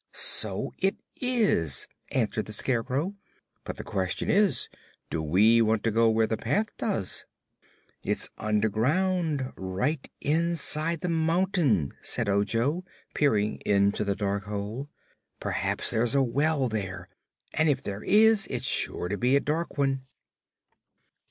"So it is," answered the Scarecrow. "But the question is, do we want to go where the path does?" "It's underground; right inside the mountain," said Ojo, peering into the dark hole. "Perhaps there's a well there; and, if there is, it's sure to be a dark one."